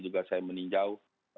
juga saya meninjau